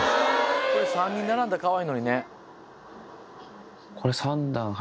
これ３人並んだらかわいいのにね。